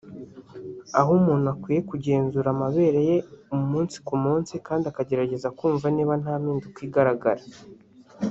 aho umuntu akwiye kugenzura amabere ye umunsi ku munsi kandi akagerageza kumva niba nta mpinduka igaragara